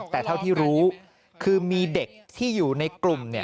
แต่เท่าที่รู้คือมีเด็กที่อยู่ในกลุ่มเนี่ย